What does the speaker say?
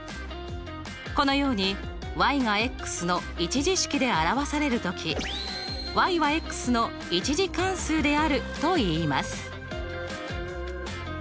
このようにがの１次式で表される時はの１次関数であるといいます。